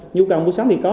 nhiều người mua sắm thì có